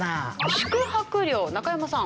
宿泊料中山さん。